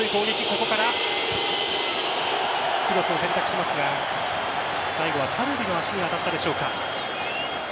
ここからクロスを選択しますが最後はタルビの足に当たったでしょうか。